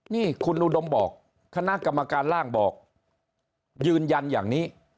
นี่คุณอุดมบอกคณะกรรมการร่างบอกยืนยันอย่างนี้